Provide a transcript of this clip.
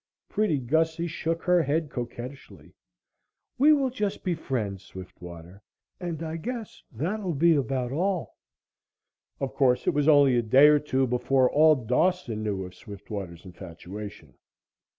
Pretty Gussie shook her head coquettishly. "We will just be friends, Swiftwater, and I guess that'll be about all." Of course, it was only a day or two before all Dawson knew of Swiftwater's infatuation.